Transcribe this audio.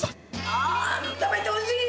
あ食べてほしい。